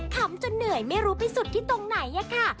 ำจนเหนื่อยไม่รู้ไปสุดที่ตรงไหนอะค่ะ